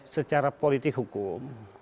secara politik hukum